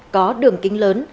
có đường kính lớn